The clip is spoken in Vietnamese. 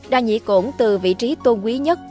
đa nhĩ cổn từ vị trí tôn quý nhất